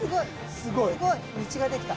すごい！道ができた。